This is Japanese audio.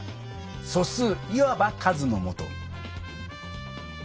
「素数」いわば数のもと。